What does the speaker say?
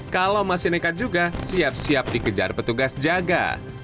kalau masih nekat juga siap siap dikejar petugas jaga